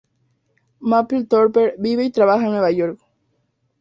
Mapplethorpe vive y trabaja en Nueva York.